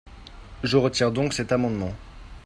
Je retire donc cet amendement.